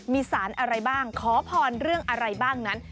มีสารอะไรบ้างขอพรเรื่องอะไรบ้างนั้น